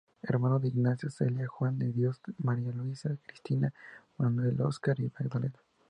Hermano de Ignacio, Celia, Juan de Dios, María Luisa, Cristina, Manuel, Oscar y Magdalena.